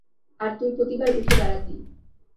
আর তুই প্রতিবার উঠে দাঁড়াতি।